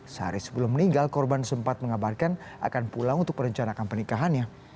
sehari sebelum meninggal korban sempat mengabarkan akan pulang untuk merencanakan pernikahannya